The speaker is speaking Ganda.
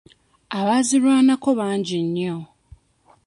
Abaazirwanako bangi nnyo.